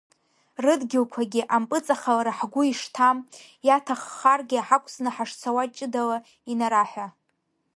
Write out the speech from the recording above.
Рыдгьылқәагьы ампыҵахалара ҳгәы ишҭам, иаҭаххаргьы ҳақәҵны ҳашцауа ҷыдаала инараҳәа…